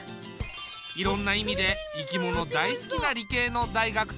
いろんな意味で生き物大好きな理系の大学生。